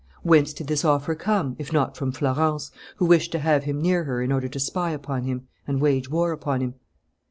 Whence did this offer come, if not from Florence, who wished to have him near her in order to spy upon him and wage war upon him?